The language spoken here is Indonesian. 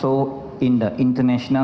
jurnal kriminal internasional